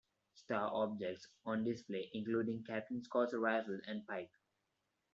Star objects on display including Captain Scott's rifle and pipe.